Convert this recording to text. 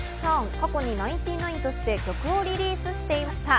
過去にナインティナインとして曲をリリースしていました。